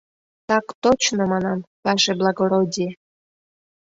— Так точно, манам, ваше благородие!